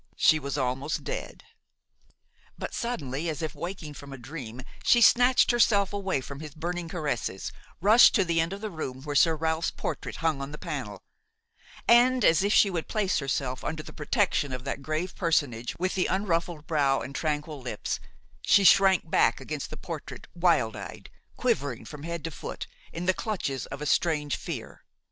She was almost dead. But suddenly, as if waking from a dream, she snatched herself away from his burning caresses, rushed to the end of the room where Sir Ralph's portrait hung on the panel; and, as if she would place herself under the protection of that grave personage with the unruffled brow and tranquil lips, she shrank back against the portrait, wild eyed, quivering from head to foot, in the clutches of a strange fear.